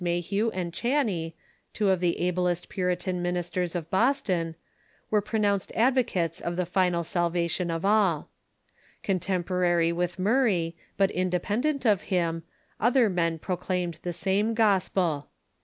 Mayhew and Chauncy, two of the ablest Puritan minis ters of Boston, wei'e pronounced advocates of the final salva tion of all. Contemporary with Murray, but independent of him, other men proclaimed the same gospel.